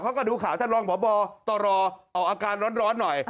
เขาก็ดูข่าวท่านรองพบตรออกอากาศร้อนหน่อย